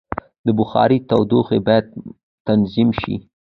د بخارۍ تودوخه باید تنظیم شي.